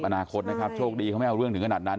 สำหรับอนาคตช่วงดีเขาไม่เอาเรื่องถึงขนาดนั้น